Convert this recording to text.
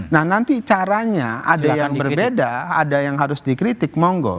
nah nanti caranya ada yang berbeda ada yang harus dikritik monggo